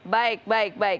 baik baik baik